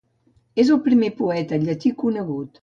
És el primer poeta llatí conegut.